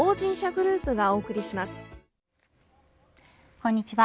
こんにちは。